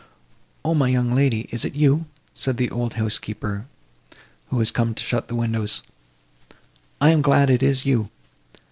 "O my young lady, is it you?" said the old housekeeper, who was come to shut the windows, "I am glad it is you."